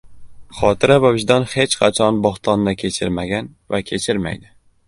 Xotira va vijdon hech qachon bo‘htonni kechirmagan va kechirmaydi.